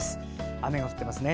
雨が降っていますね。